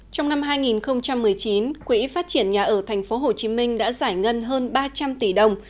trong năm hai nghìn một mươi chín quỹ phát triển nhà ở tp hcm đã giải ngân hơn ba trăm linh tỷ đồng